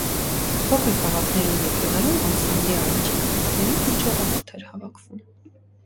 Փոքր քաղաքներում և գյուղերում անսամբլի առաջին համերգներին քիչ ժողովուրդ էր հավաքվում։